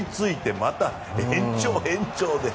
また延長、延長で。